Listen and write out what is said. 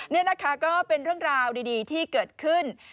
นี่นะคะก็เป็นเรื่องราวดีที่เกิดขึ้น